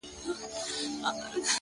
o تا بدرنگۍ ته سرټيټی په لېونتوب وکړ،